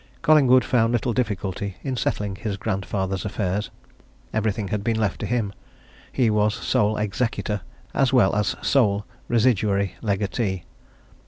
Collingwood found little difficulty in settling his grandfather's affairs. Everything had been left to him: he was sole executor as well as sole residuary legatee.